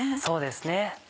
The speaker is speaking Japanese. そうですね。